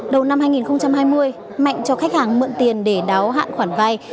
đầu năm hai nghìn hai mươi mạnh cho khách hàng mượn tiền để đáo hạn khoản vay